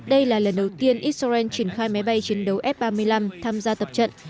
đây là lần đầu tiên israel triển khai máy bay chiến đấu f ba mươi năm tham gia tập trận